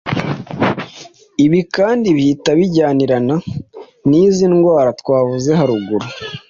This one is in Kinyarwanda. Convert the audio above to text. ibi kandi bihita bijyanirana n’izi ndwara twavuze haruguru